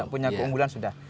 punya keunggulan sudah